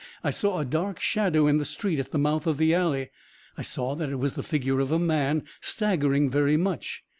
I saw a dark shadow in the street at the mouth of the alley. I saw that it was the figure of a man staggering very much.